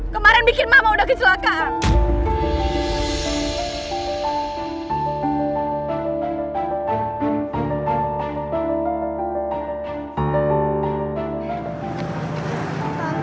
kemarin bikin mama udah kecelakaan